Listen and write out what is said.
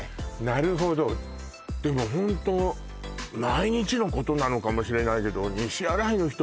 なるほどでもホント毎日のことなのかもしれないけど西新井の人